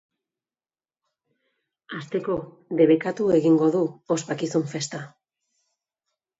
Hasteko, debekatu egingo du ospakizun festa.